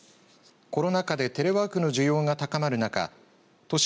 コロナ禍でテレワークの需要が高まる中